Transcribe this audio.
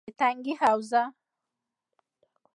- د تنگي حوزه: